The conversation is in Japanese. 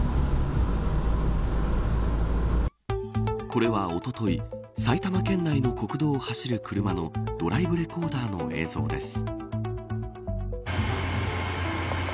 これは、おととい埼玉県内の国道を走る車のドライブレコーダーの映像です。